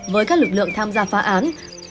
với các lực lượng tham gia phá án